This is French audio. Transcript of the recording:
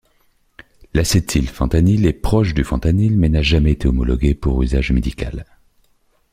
L'acétyl fentanyl est proche du fentanyl mais n'a jamais été homologué pour usage médical.